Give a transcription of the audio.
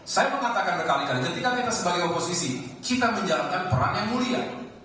saya mengatakan berkali kali ketika kita sebagai oposisi kita menjalankan peran yang mulia